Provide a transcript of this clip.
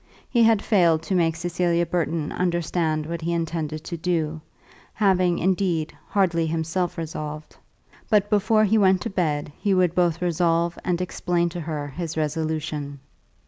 He had failed to make Cecilia Burton understand what he intended to do, having, indeed, hardly himself resolved; but before he went to bed he would both resolve and explain to her his resolution.